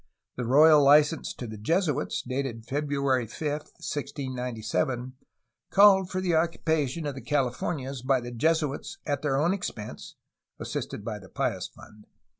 The royal license to the Jesuits, dated February 5, 1697, called for the occupation of the Californias by the Jesuits at their own expense (assisted by the Pious Fund).